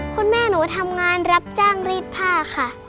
คุณแม่หนูทำงานรับจ้างรีดผ้าค่ะ